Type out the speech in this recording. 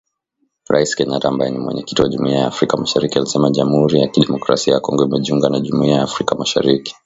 Rais Kenyatta ambaye ni Mwenyekiti wa Jumuiya ya Afrika Mashariki alisema Jamhuri ya Kidemokrasia ya Kongo imejiunga na Jumuiya ya Afrika Mashariki.